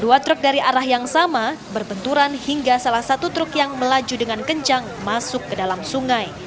dua truk dari arah yang sama berbenturan hingga salah satu truk yang melaju dengan kencang masuk ke dalam sungai